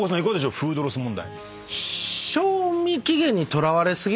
フードロス問題。